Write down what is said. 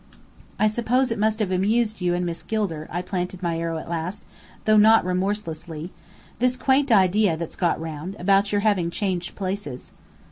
"I suppose it must have amused you and Miss Gilder," I planted my arrow at last, though not remorselessly, "this quaint idea that's got round, about your having changed places."